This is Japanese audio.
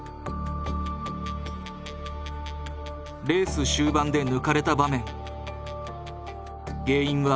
レース終盤で抜かれた場面。